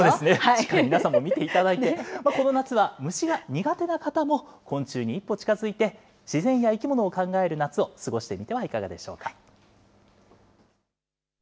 しっかり皆さんも見ていただいて、この夏は虫が苦手な方も昆虫に一歩近づいて、自然や生き物を考える夏を過ごしてみてはいかがでしょうか。